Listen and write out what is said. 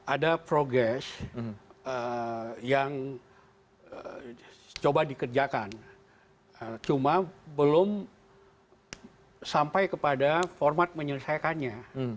ada progres yang coba dikerjakan cuma belum sampai kepada format menyelesaikannya